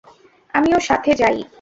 আমিও সাথে যাই!